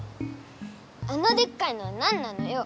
あのでっかいのはなんなのよ！